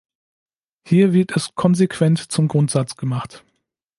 Hier wird es konsequent zum Grundsatz gemacht.